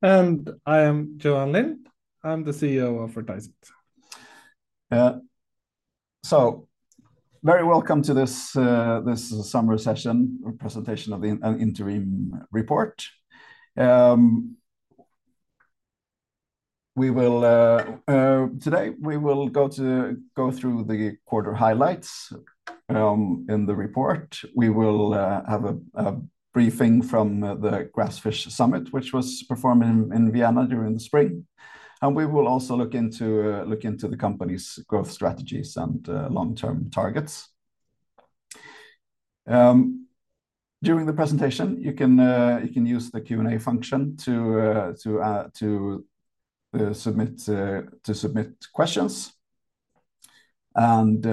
I am Johan Lind. I'm the CEO of Vertiseit. So very welcome to this summer session presentation of an interim report. We will today go through the quarter highlights in the report. We will have a briefing from the Grassfish Summit, which was performed in Vienna during the spring, and we will also look into the company's growth strategies and long-term targets. During the presentation, you can use the Q&A function to submit questions. And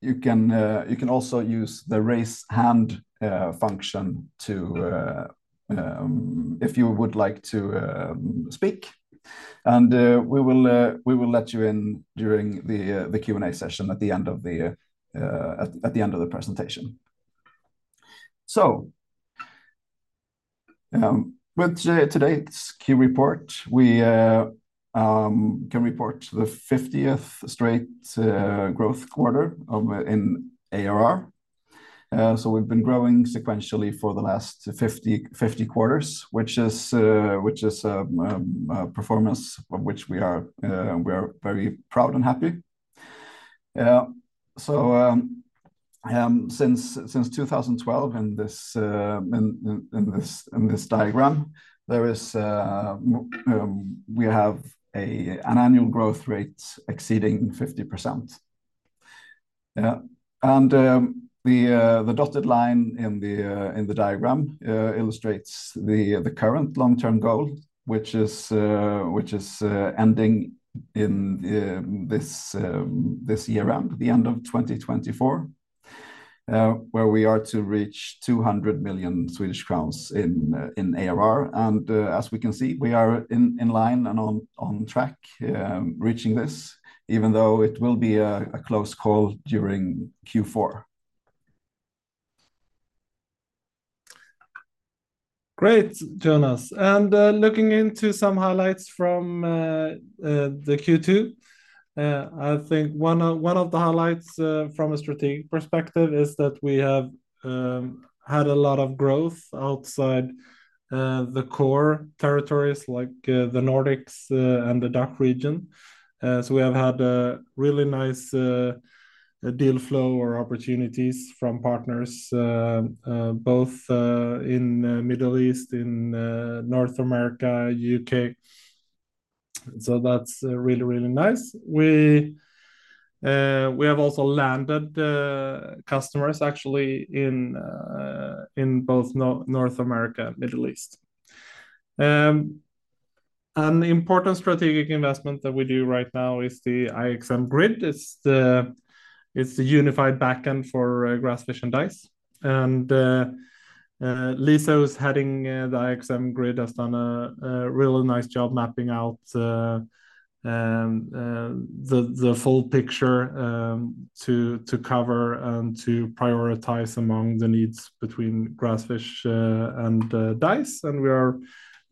you can also use the raise hand function if you would like to speak, and we will let you in during the Q&A session at the end of the presentation. With today's Q report, we can report the 50th straight growth quarter in ARR. We've been growing sequentially for the last 50 quarters, which is a performance of which we are very proud and happy. Yeah, so since 2012, in this diagram, we have an annual growth rate exceeding 50%. Yeah, and the dotted line in the diagram illustrates the current long-term goal, which is ending in this year around the end of 2024, where we are to reach 200 million Swedish crowns in ARR. As we can see, we are in line and on track, reaching this, even though it will be a close call during Q4. Great, Jonas. And looking into some highlights from the Q2, I think one of the highlights from a strategic perspective is that we have had a lot of growth outside the core territories, like the Nordics and the DACH region. So we have had a really nice deal flow or opportunities from partners both in Middle East, in North America, UK. So that's really, really nice. We have also landed customers actually in both North America and Middle East. An important strategic investment that we do right now is the IXM Grid. It's the unified backend for Grassfish and Dise. Lisa, who's heading the IXM Grid, has done a really nice job mapping out the full picture to cover and to prioritize among the needs between Grassfish and Dise. And we are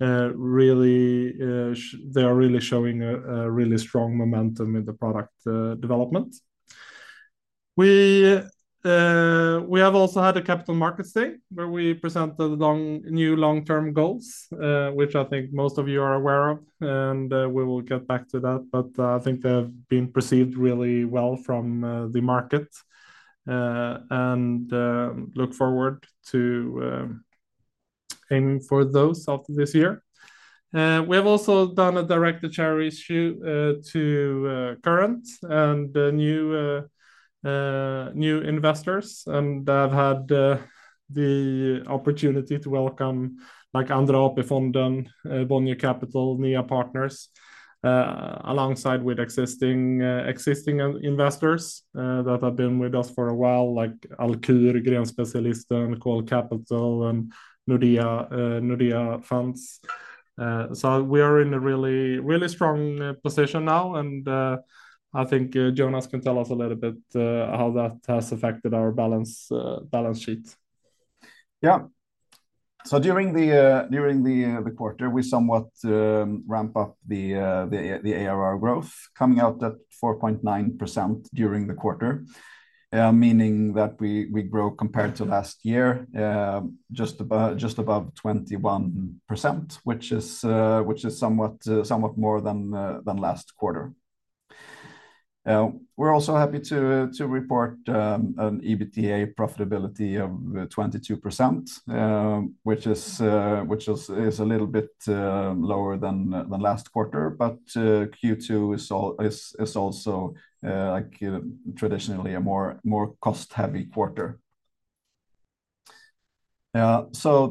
really, they are really showing a really strong momentum in the product development. We have also had a Capital Markets Day, where we presented new long-term goals, which I think most of you are aware of, and we will get back to that. But I think they've been perceived really well from the market, and look forward to aiming for those of this year. We have also done a directed share issue to current and new investors. I've had the opportunity to welcome like Andra AP-fonden, Bonnier Capital, NeNEA Partners, alongside with existing investors that have been with us for a while, like Alcur, Grenspecialisten, Coeli, and Nordea Funds. So we are in a really, really strong position now, and I think Jonas can tell us a little bit how that has affected our balance sheet. Yeah. So during the quarter, we somewhat ramp up the ARR growth, coming out at 4.9% during the quarter, meaning that we grew compared to last year just about 21%, which is somewhat more than last quarter. We're also happy to report an EBITDA profitability of 22%, which is a little bit lower than last quarter, but Q2 is also like traditionally a more cost-heavy quarter. So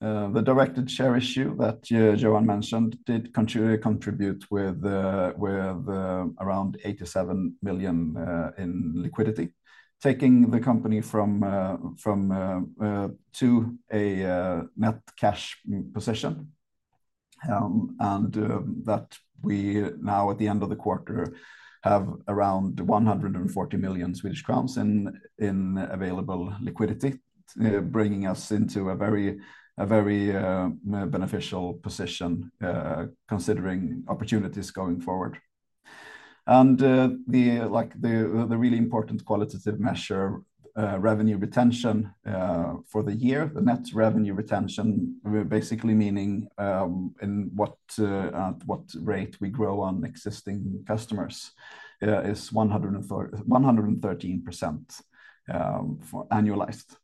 the directed share issue that Johan mentioned did contribute with around 87 million in liquidity, taking the company from to a net cash position.... and that we now at the end of the quarter have around 140 million Swedish crowns in available liquidity, bringing us into a very beneficial position considering opportunities going forward. And like the really important qualitative measure, revenue retention for the year, the net revenue retention, we're basically meaning in what at what rate we grow on existing customers is 113% for annualized.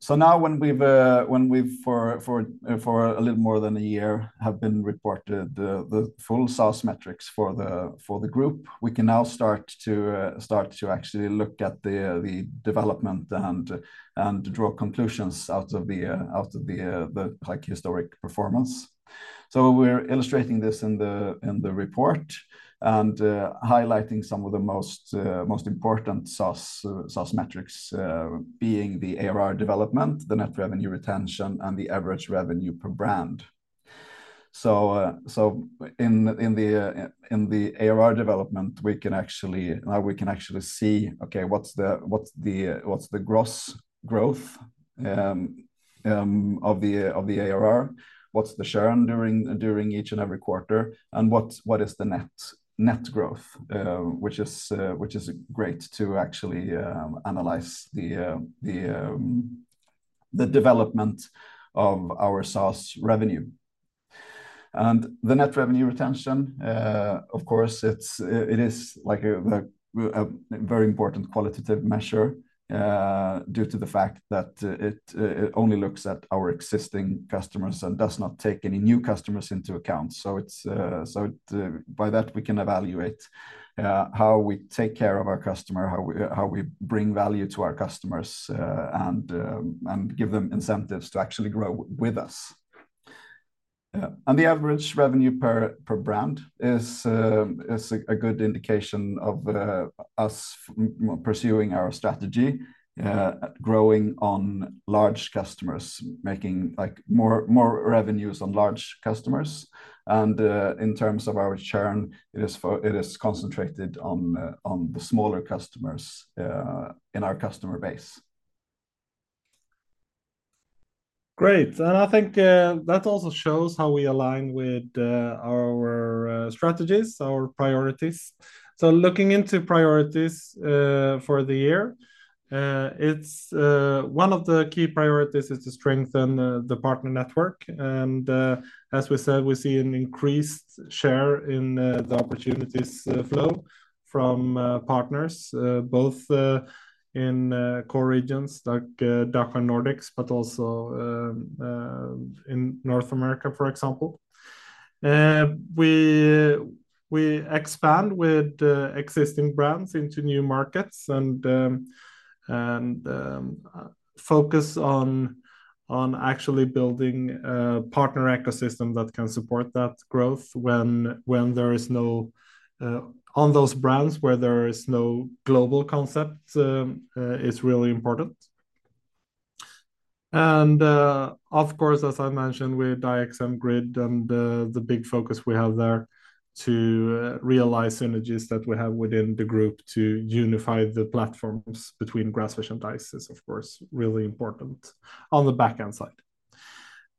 So now when we've for a little more than a year have been reported the full SaaS metrics for the group, we can now start to actually look at the development and draw conclusions out of the like historic performance. So we're illustrating this in the report, and highlighting some of the most important SaaS metrics, being the ARR development, the net revenue retention, and the average revenue per brand. So in the ARR development, we can actually now we can actually see, okay, what's the gross growth of the ARR? What's the churn during each and every quarter? And what is the net growth? Which is great to actually analyze the development of our SaaS revenue. The net revenue retention, of course, it is like a very important qualitative measure, due to the fact that it only looks at our existing customers and does not take any new customers into account. So by that, we can evaluate how we take care of our customer, how we bring value to our customers, and give them incentives to actually grow with us. And the average revenue per brand is a good indication of us pursuing our strategy, growing on large customers, making, like, more revenues on large customers. In terms of our churn, it is concentrated on the smaller customers in our customer base. Great! And I think that also shows how we align with our strategies, our priorities. So looking into priorities for the year, it's one of the key priorities is to strengthen the partner network. And as we said, we see an increased share in the opportunities flow from partners both in core regions like DACH Nordics, but also in North America, for example. We expand with existing brands into new markets and focus on actually building partner ecosystem that can support that growth when there is no on those brands, where there is no global concept is really important. Of course, as I mentioned, with IXM Grid and the big focus we have there to realize synergies that we have within the group to unify the platforms between Grassfish and Dise is, of course, really important on the back-end side.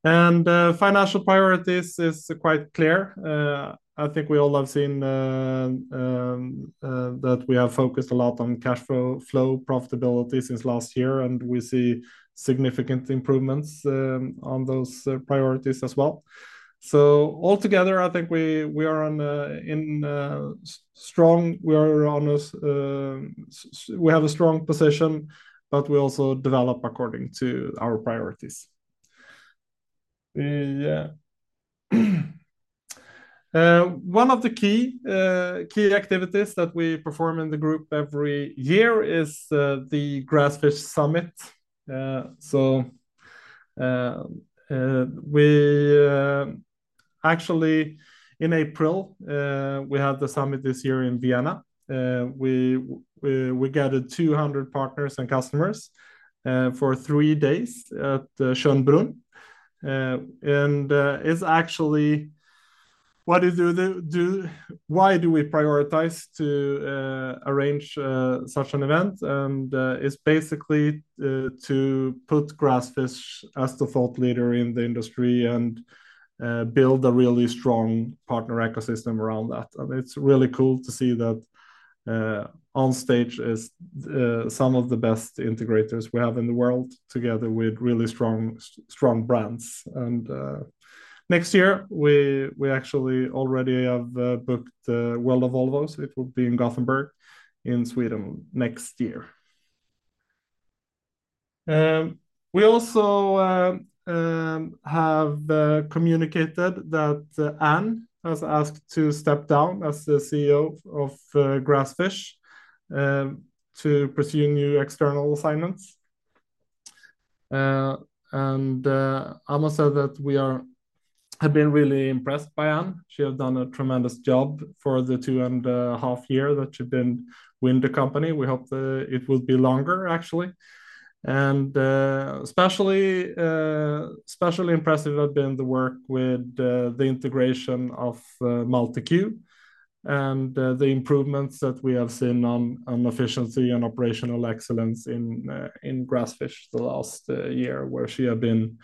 Financial priorities is quite clear. I think we all have seen that we have focused a lot on cash flow profitability since last year, and we see significant improvements on those priorities as well. So altogether, I think we have a strong position, but we also develop according to our priorities. One of the key activities that we perform in the group every year is the Grassfish Summit. So, actually, in April, we had the summit this year in Vienna. We gathered 200 partners and customers for three days at the Schönbrunn. And it's actually, what do you do, do... Why do we prioritize to arrange such an event? And it's basically to put Grassfish as the thought leader in the industry and build a really strong partner ecosystem around that. And it's really cool to see that on stage is some of the best integrators we have in the world, together with really strong, strong brands. And next year we actually already have booked the World of Volvo, so it will be in Gothenburg, in Sweden next year. We also have communicated that Anne has asked to step down as the CEO of Grassfish to pursue new external assignments. I've been really impressed by Anne. She has done a tremendous job for the two and half year that she's been with the company. We hope that it will be longer, actually. And especially, specially impressive had been the work with the integration of MultiQ and the improvements that we have seen on efficiency and operational excellence in Grassfish the last year, where she had been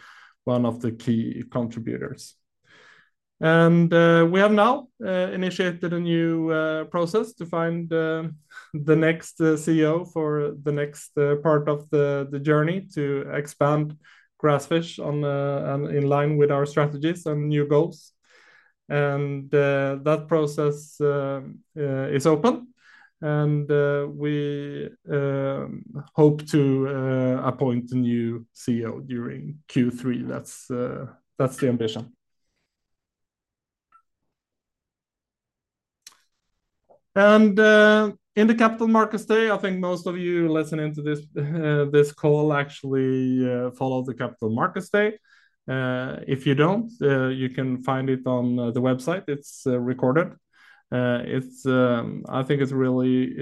one of the key contributors. We have now initiated a new process to find the next CEO for the next part of the journey to expand Grassfish in line with our strategies and new goals. That process is open, and we hope to appoint a new CEO during Q3. That's the ambition. In the Capital Markets Day, I think most of you listening to this call actually follow the Capital Markets Day. If you don't, you can find it on the website. It's recorded. It's, I think it's really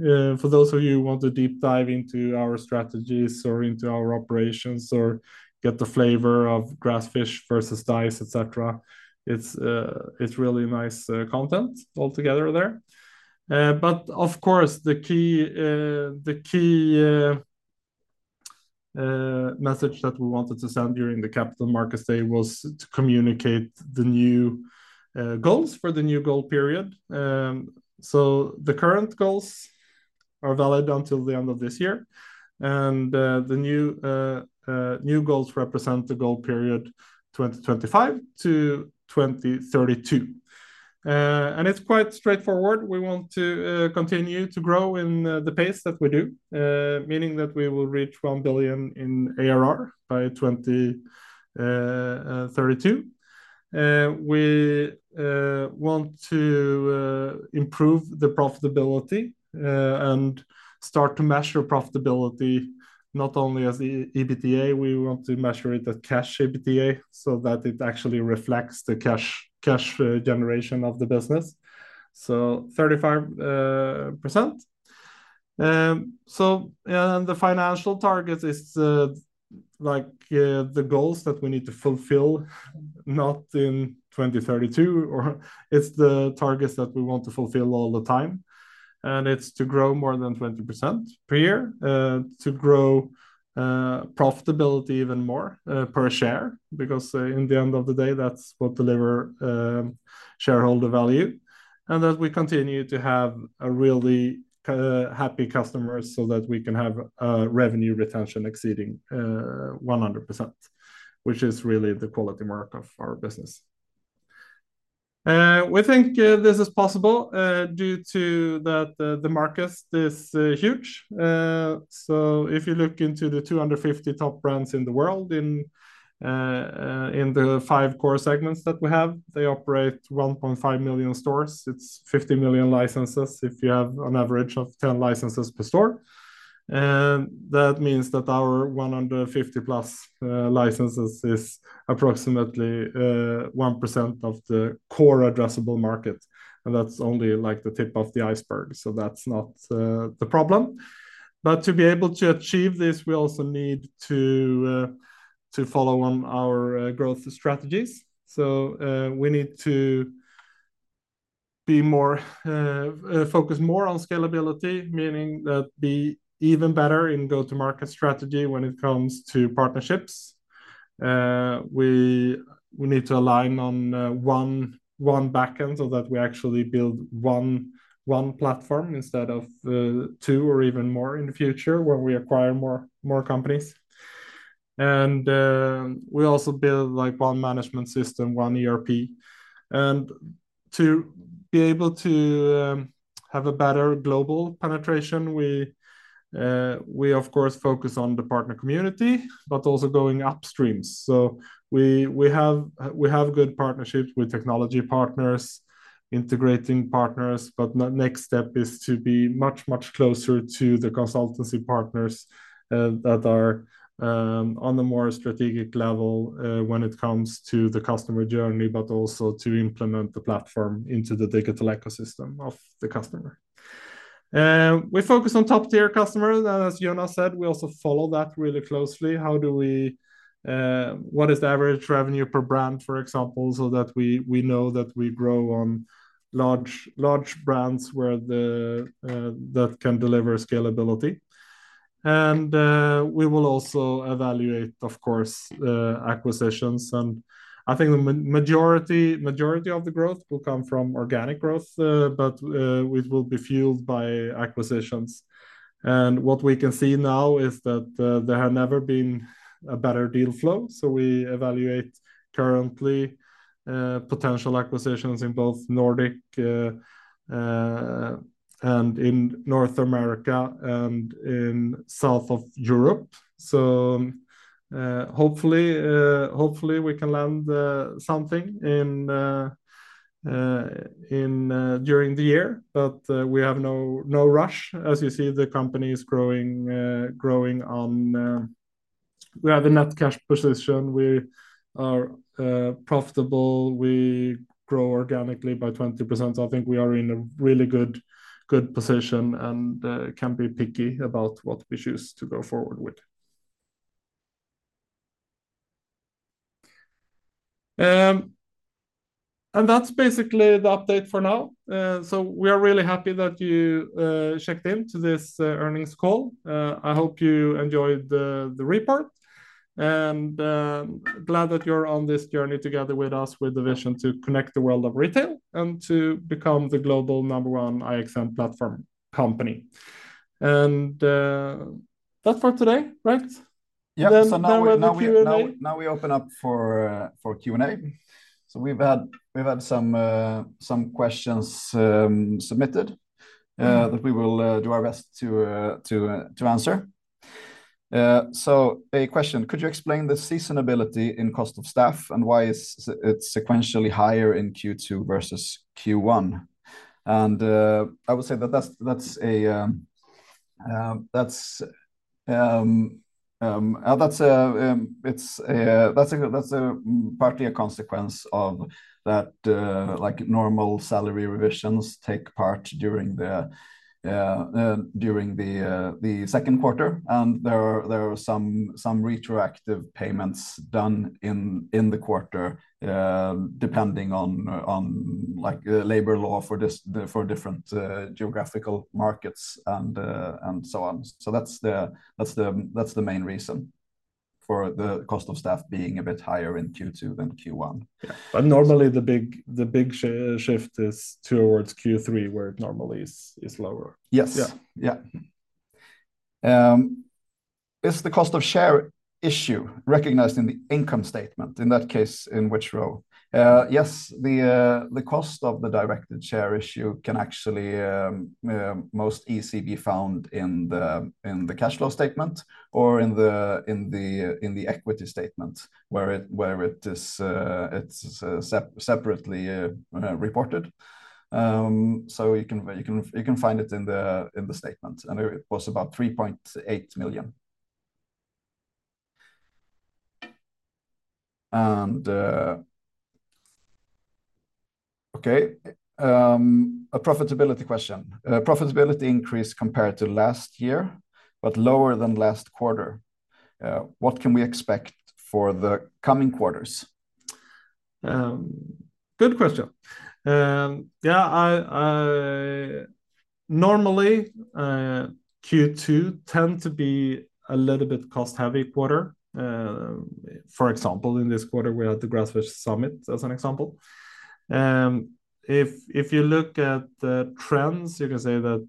for those of you who want to deep dive into our strategies or into our operations or get the flavor of Grassfish versus Dise, et cetera, it's really nice content altogether there. But of course, the key message that we wanted to send during the Capital Markets Day was to communicate the new goals for the new goal period. So the current goals are valid until the end of this year, and the new goals represent the goal period 2025 to 2032. And it's quite straightforward. We want to continue to grow in the pace that we do, meaning that we will reach 1 billion in ARR by 2032. We want to improve the profitability and start to measure profitability, not only as EBITDA. We want to measure it as cash EBITDA, so that it actually reflects the cash generation of the business. So 35%. And the financial target is, like, the goals that we need to fulfill, not in 2032, or it's the targets that we want to fulfill all the time, and it's to grow more than 20% per year. To grow profitability even more per share, because in the end of the day, that's what deliver shareholder value. And that we continue to have a really happy customers so that we can have revenue retention exceeding 100%, which is really the quality mark of our business. We think this is possible due to that the market is huge. So if you look into the 250 top brands in the world, in the five core segments that we have, they operate 1.5 million stores. It's 50 million licenses, if you have an average of 10 licenses per store. And that means that our 150+ licenses is approximately 1% of the core addressable market, and that's only like the tip of the iceberg, so that's not the problem. But to be able to achieve this, we also need to follow on our growth strategies. So we need to focus more on scalability, meaning be even better in go-to-market strategy when it comes to partnerships. We need to align on one backend so that we actually build one platform instead of two or even more in the future, when we acquire more companies. And we also build, like, one management system, one ERP. And to be able to have a better global penetration, we, of course, focus on the partner community, but also going upstream. So we have good partnerships with technology partners, integrating partners, but next step is to be much closer to the consultancy partners that are on the more strategic level when it comes to the customer journey, but also to implement the platform into the digital ecosystem of the customer. We focus on top-tier customers. As Jonas said, we also follow that really closely. How do we... What is the average revenue per brand, for example, so that we know that we grow on large brands, where that can deliver scalability? We will also evaluate, of course, acquisitions. I think the majority of the growth will come from organic growth, but it will be fueled by acquisitions. What we can see now is that there have never been a better deal flow, so we evaluate currently potential acquisitions in both Nordics and in North America and in South of Europe. Hopefully, we can land something during the year, but we have no rush. As you see, the company is growing on. We have a net cash position. We are profitable. We grow organically by 20%. So I think we are in a really good, good position, and can be picky about what we choose to go forward with. And that's basically the update for now. So we are really happy that you checked in to this earnings call. I hope you enjoyed the report, and glad that you're on this journey together with us with the vision to connect the world of retail and to become the global number-one IXM platform company. And that's for today, right? Yeah. Now with the Q&A. So now we open up for Q&A. So we've had some questions submitted that we will do our best to answer. So a question: Could you explain the seasonality in cost of staff and why it's sequentially higher in Q2 versus Q1? And I would say that that's partly a consequence of that, like normal salary revisions take part during the second quarter. And there are some retroactive payments done in the quarter, depending on, like, the labor law for the different geographical markets and so on. So that's the main reason for the cost of staff being a bit higher in Q2 than Q1. Yeah. But normally, the big shift is towards Q3, where it normally is lower. Yes. Yeah. Yeah. Is the cost of share issue recognized in the income statement, in that case, in which row? Yes, the cost of the directed share issue can actually most easily be found in the cash flow statement or in the equity statement, where it is separately reported. So you can find it in the statement, and it was about 3.8 million. Okay, a profitability question. Profitability increased compared to last year, but lower than last quarter. What can we expect for the coming quarters? Good question. Yeah, I... Normally, Q2 tend to be a little bit cost-heavy quarter. For example, in this quarter, we had the Grassfish Summit, as an example. If you look at the trends, you can say that,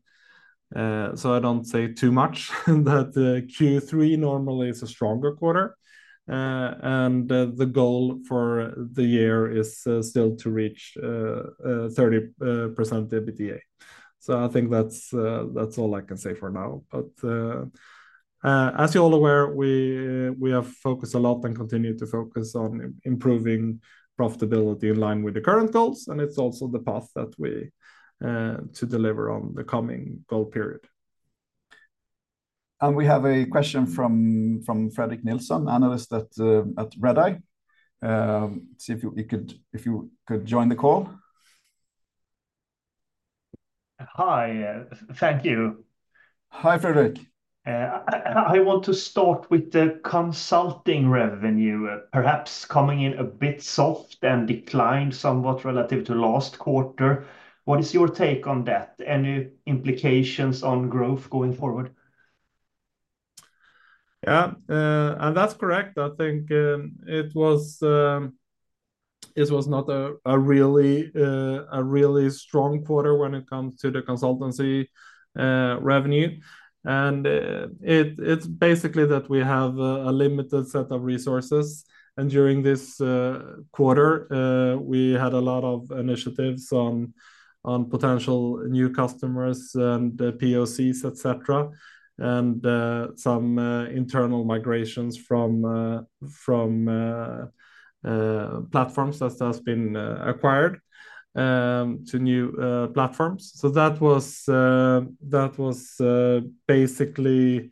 so I don't say too much, that Q3 normally is a stronger quarter. And the goal for the year is still to reach 30% EBITDA. So I think that's all I can say for now. But as you're all aware, we have focused a lot and continue to focus on improving profitability in line with the current goals, and it's also the path that we to deliver on the coming goal period. We have a question from Fredrik Nilsson, analyst at Redeye. See if you could join the call. Hi, thank you. Hi, Fredrik. I want to start with the consulting revenue, perhaps coming in a bit soft and declined somewhat relative to last quarter. What is your take on that? Any implications on growth going forward? Yeah, and that's correct. I think, it was not a really strong quarter when it comes to the consultancy revenue. And, it's basically that we have a limited set of resources, and during this quarter, we had a lot of initiatives on potential new customers and the POCs, et cetera, and some internal migrations from platforms that has been acquired to new platforms. So that was basically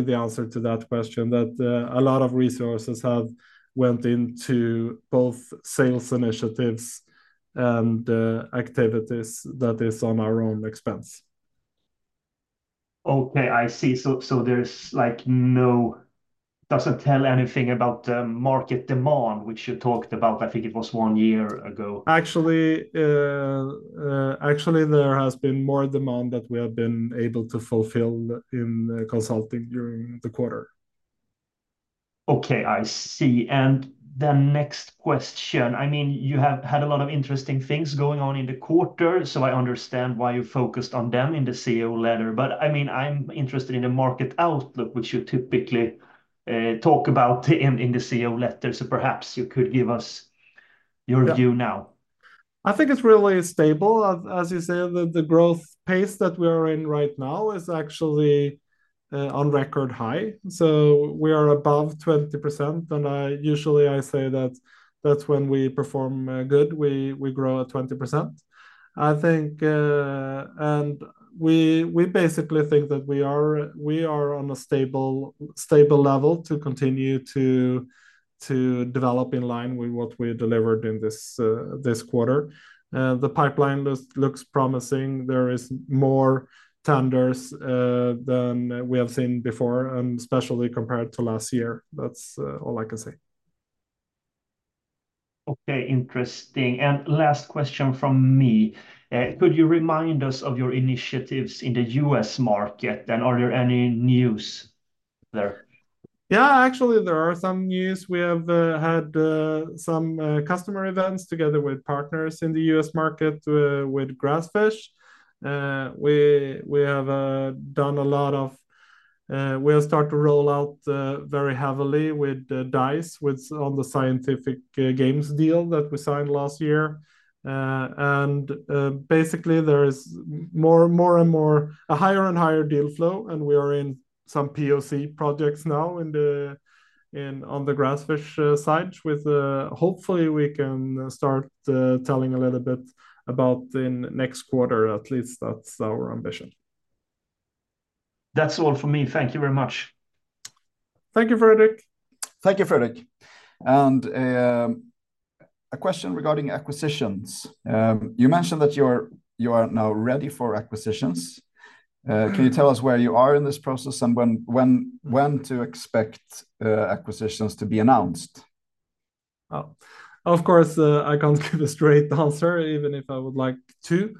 the answer to that question, that a lot of resources have went into both sales initiatives and activities that is on our own expense. Okay, I see. So, there's like doesn't tell anything about the market demand, which you talked about, I think it was one year ago. Actually, actually, there has been more demand that we have been able to fulfill in consulting during the quarter. Okay, I see. And the next question, I mean, you have had a lot of interesting things going on in the quarter, so I understand why you focused on them in the CEO letter. But I mean, I'm interested in the market outlook, which you typically talk about in the CEO letter. So perhaps you could give us your- Yeah... view now.... I think it's really stable. As you say, the growth pace that we are in right now is actually on record high. So we are above 20%, and I usually say that that's when we perform good, we grow at 20%. I think and we basically think that we are on a stable level to continue to develop in line with what we delivered in this quarter. The pipeline looks promising. There is more tenders than we have seen before, and especially compared to last year. That's all I can say. Okay, interesting. And last question from me, could you remind us of your initiatives in the U.S. market, and are there any news there? Yeah, actually, there are some news. We have had some customer events together with partners in the U.S. market with Grassfish. We have done a lot of; we'll start to roll out very heavily with Dise with the Scientific Games deal that we signed last year. And basically, there's more, more and more... A higher and higher deal flow, and we are in some POC projects now in the, in, on the Grassfish side, with hopefully, we can start telling a little bit about in next quarter. At least that's our ambition. That's all for me. Thank you very much. Thank you, Fredrik. Thank you, Fredrik. A question regarding acquisitions. You mentioned that you're, you are now ready for acquisitions. Can you tell us where you are in this process, and when to expect acquisitions to be announced? Oh, of course, I can't give a straight answer, even if I would like to.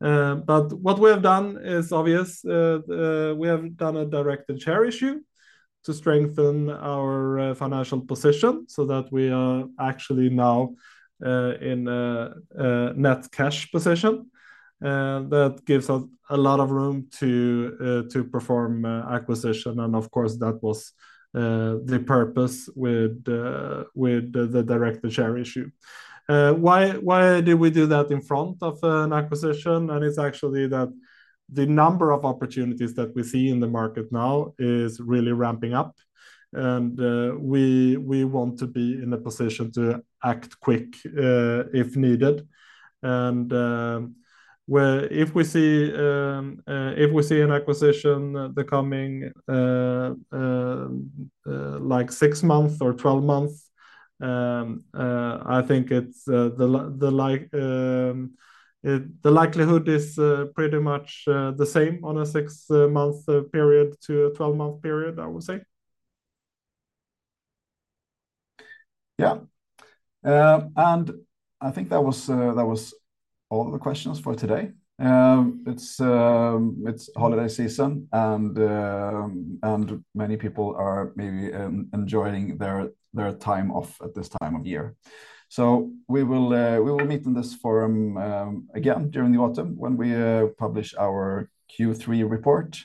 But what we have done is obvious. We have done a directed share issue to strengthen our financial position so that we are actually now in a net cash position. That gives us a lot of room to perform acquisition, and of course, that was the purpose with the directed share issue. Why did we do that in front of an acquisition? And it's actually that the number of opportunities that we see in the market now is really ramping up, and we want to be in a position to act quick, if needed. Well, if we see an acquisition in the coming 6 months or 12 months, I think the likelihood is pretty much the same on a 6-month period to a 12-month period, I would say. Yeah. I think that was all the questions for today. It's holiday season, and many people are maybe enjoying their time off at this time of year. We will meet in this forum again during the autumn, when we publish our Q3 report.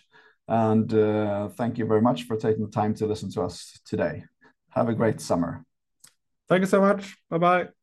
Thank you very much for taking the time to listen to us today. Have a great summer. Thank you so much. Bye-bye.